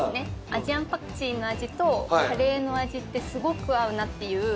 アジアンパクチーの味とカレーの味ってすごく合うなっていう。